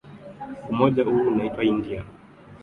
Umoja huu unaitwa Indian Ocean Rim Association